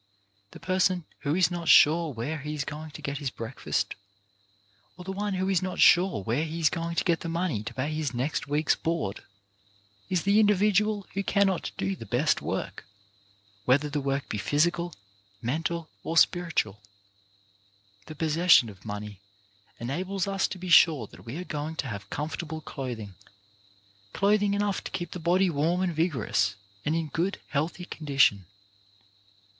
The person who is not A PENNY SAVED 271 sure where he is going to get his breakfast, or the one who is not sure where he is going to get the money to pay his next week's board, is the in dividual who cannot do the best work, whether the work be physical, mental or spiritual. The possession of money enables us to be sure that we are going to have comfortable clothing, clothing enough to keep the body warm and vigorous, and in good, healthy condition.